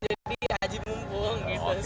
jadi haji mumpung